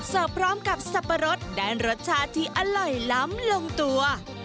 พร้อมกับสับปะรดด้านรสชาติที่อร่อยล้ำลงตัว